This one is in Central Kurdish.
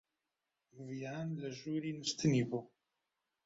ڤیان لە ژووری نووستنی بوو.